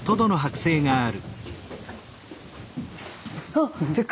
あっ！